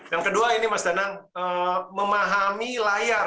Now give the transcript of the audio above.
yang kedua ini mas danang memahami layar